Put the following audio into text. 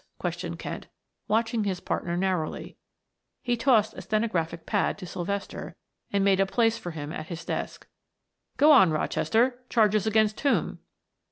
questioned Kent, watching his partner narrowly; he tossed a stenographic pad to Sylvester and made a place for him at his desk. "Go on, Rochester; charges against whom?"